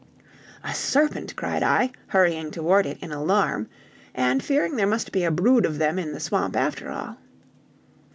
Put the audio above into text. "A serpent!" cried I, hurrying toward it in alarm, and fearing there must be a brood of them in the swamp after all.